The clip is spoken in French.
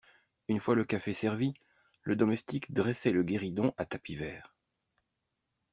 Une fois le café servi, le domestique dressait le guéridon à tapis vert.